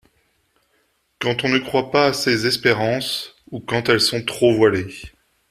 Quand on ne croit pas à ces espérances, ou quand elles sont trop voilées...